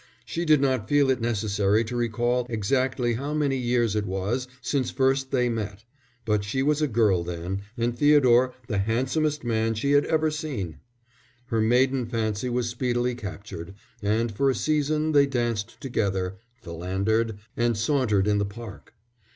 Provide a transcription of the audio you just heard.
She did not feel it necessary to recall exactly how many years it was since first they met, but she was a girl then, and Theodore the handsomest man she had ever seen. Her maiden fancy was speedily captured, and for a season they danced together, philandered, and sauntered in the park.